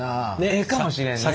ええかもしれんね。